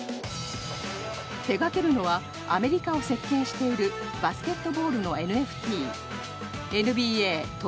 手がけるのはアメリカを席巻しているバスケットボールのＮＦＴＮＢＡＴｏｐＳｈｏｔ。